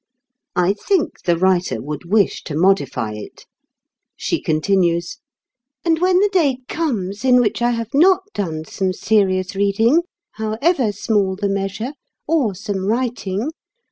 I think the writer would wish to modify it. She continues: "And when the day comes in which I have not done some serious reading, however small the measure, or some writing